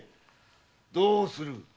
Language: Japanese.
どうする？